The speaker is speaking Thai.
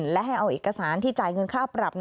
และให้เอาเอกสารที่จ่ายเงินค่าปรับ